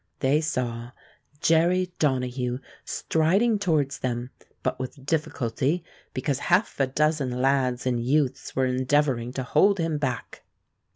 They saw Jerry Donahue striding towards them, but with difficulty, because half a dozen lads and youths were endeavoring to hold him back.